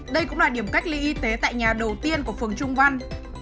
đây cũng là điểm cách ly y tế tại nhà đầu tiên của phường trung văn